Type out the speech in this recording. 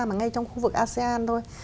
mà ngay trong khu vực asean thôi